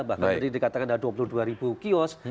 bahkan tadi dikatakan ada dua puluh dua ribu kios